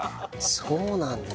そうなんだ。